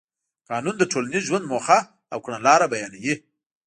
قانون د ټولنیز ژوند موخه او کړنلاره بیانوي.